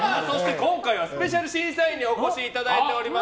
今回はスペシャル審査員にお越しいただいています。